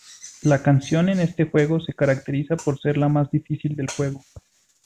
La canción en este juego se caracteriza por ser la más difícil del juego.